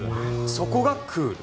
そこがクール。